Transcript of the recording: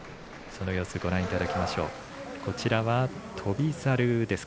その様子をご覧いただきます。